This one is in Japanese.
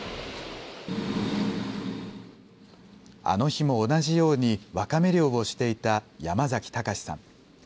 あの日も同じようにわかめ漁をしていた山崎隆さん。